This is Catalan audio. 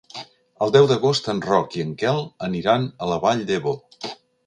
El deu d'agost en Roc i en Quel aniran a la Vall d'Ebo.